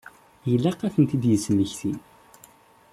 Ilaq ad tent-id-yesmekti.